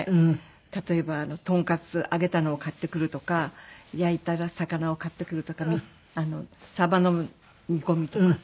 例えばとんかつ揚げたのを買ってくるとか焼いた魚を買ってくるとかサバの煮込みとか。